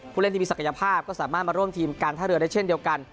เล่นที่มีศักยภาพก็สามารถมาร่วมทีมการท่าเรือได้เช่นเดียวกัน